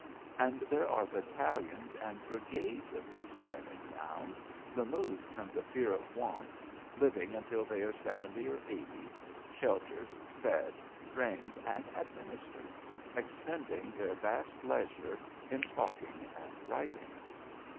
And there are battalions and brigades of these men in town removed from the fear of want, living until they are seventy or eighty, sheltered, fed, Srained and administered, expending their vast leisure in talking and writing.